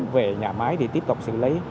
về nhà máy để tiếp tục xử lý